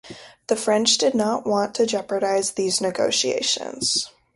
The French did not want to jeopardize these negotiations.